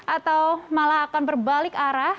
atau malah akan berbalik arah